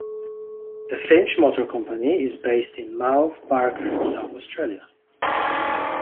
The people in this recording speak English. The Finch Motor Company is based in Mount Barker, South Australia.